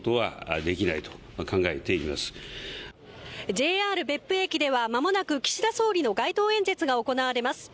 ＪＲ別府駅では間もなく岸田総理の街頭演説が行われます。